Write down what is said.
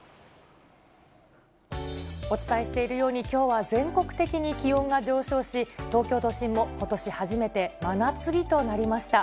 お伝えしているように、きょうは全国的に気温が上昇し、東京都心もことし初めて真夏日となりました。